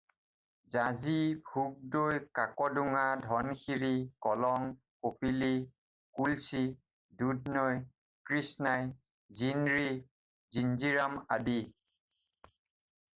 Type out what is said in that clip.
জাঁজী, ভোগদৈ, কাকডোঙা, ধনশিৰি, কলং, কপিলী, কুলসী, দুধনৈ, কৃষ্ণাই, জিনৰী, জিঞ্জিৰাম আদি।